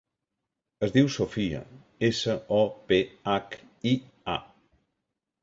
Es diu Sophia: essa, o, pe, hac, i, a.